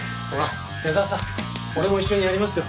ほら矢沢さん俺も一緒にやりますよ。